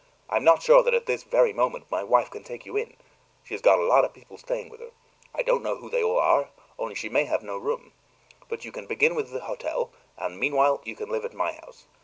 I am not sure that at this very moment my wife can take you in; she has got a lot of people staying with her; I don't know who they all are; only she may have no room. But you can begin with the hotel, and meanwhile you can live at my house.